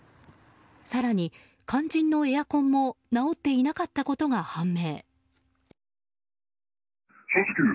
更に、肝心のエアコンも直っていなかったことが判明。